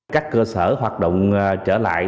các cơ sở hoạt động trở lại